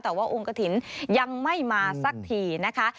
แต่ว่าองค์กระถิ่นยังไม่มาสักทีนะคะ